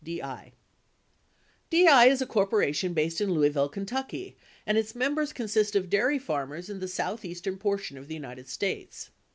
DI DI is a corporation based in Louisville, Ky., and its members con sist of dairy farmers in the Southeastern portion of the United States.